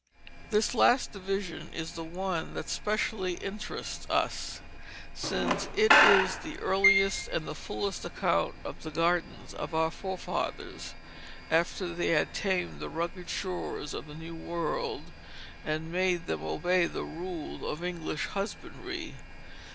This last division is the one that specially interests us, since it is the earliest and the fullest account of the gardens of our forefathers, after they had tamed the rugged shores of the New World, and made them obey the rule of English husbandry.